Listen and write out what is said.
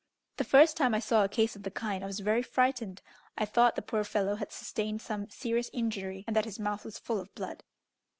The first time I saw a case of the kind I was very frightened: I thought the poor fellow had sustained some serious injury, and that his mouth was full of blood.